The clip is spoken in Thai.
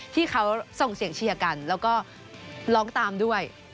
ที่เขาส่งเสียงเชียร์กันแล้วก็ร้องตามด้วย